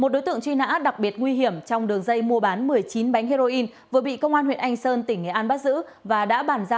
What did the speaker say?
đối tượng truy nã là lê hồng nam trú tại xã hạnh lâm huyện thanh trương